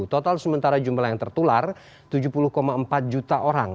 total sementara jumlah yang tertular tujuh puluh empat juta orang